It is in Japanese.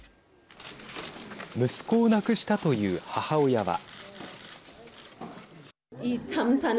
息子を亡くしたという母親は。